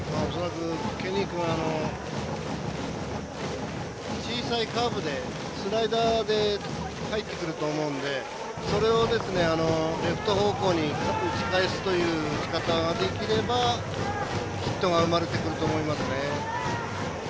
ケニー君は小さいカーブでスライダーで入ってくると思うんで、それをレフト方向に打ち返すという打ち方ができればヒットが生まれてくると思いますね。